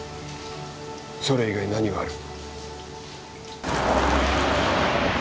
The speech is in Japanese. それ以外何がある？